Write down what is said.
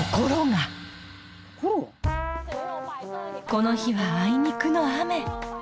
この日はあいにくの雨。